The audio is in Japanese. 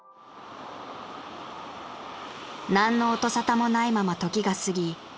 ［何の音沙汰もないまま時が過ぎ］